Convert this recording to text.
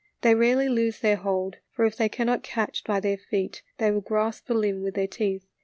They rarely lose their hold, for if they cannot FRISK AND FROLIC. 57 catch by their feet they will grasp the limb with their teeth.